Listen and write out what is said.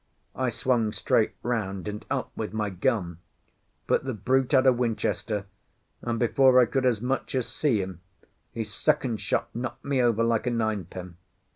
I swung straight round and up with my gun, but the brute had a Winchester, and before I could as much as see him his second shot knocked me over like a nine pin.